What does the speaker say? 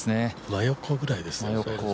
真横ぐらいですね。